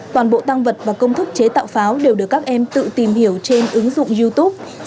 toàn bộ tăng vật và công thức chế tạo pháo đều được các em tự tìm hiểu trên ứng dụng youtube